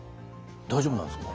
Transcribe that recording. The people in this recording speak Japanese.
大丈夫なんですか？